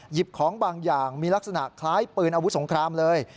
หยิบของบางอย่างมีลักษณะคล้ายปืนอาวุธสงครามเลย